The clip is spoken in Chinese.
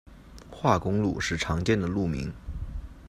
化工路是常见的路名。